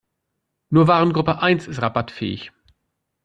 Nur Warengruppe eins ist rabattfähig.